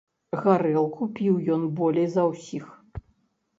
Гарэлку піў ён болей за ўсіх.